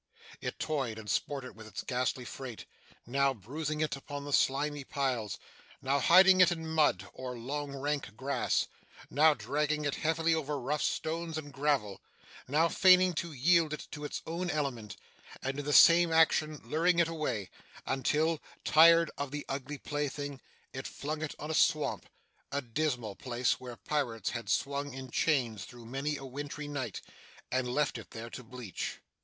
It toyed and sported with its ghastly freight, now bruising it against the slimy piles, now hiding it in mud or long rank grass, now dragging it heavily over rough stones and gravel, now feigning to yield it to its own element, and in the same action luring it away, until, tired of the ugly plaything, it flung it on a swamp a dismal place where pirates had swung in chains through many a wintry night and left it there to bleach.